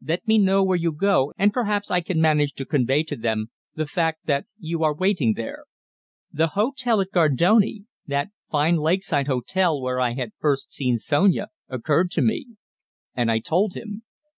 Let me know where you go, and perhaps I can manage to convey to them the fact that you are waiting there." The hotel at Gardone that fine lake side hotel where I had first seen Sonia occurred to me. And I told him.